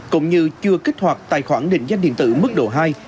cũng như chưa kích hoạt tài khoản định danh điện tử mức độ hai